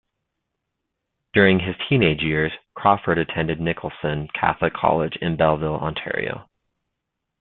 During his teenage years, Crawford attended Nicholson Catholic College in Belleville, Ontario.